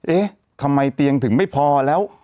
เอ๊ะทำไมเตียงถึงไม่พอแล้ว